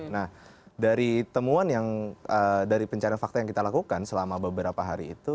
nah dari temuan yang dari pencarian fakta yang kita lakukan selama beberapa hari itu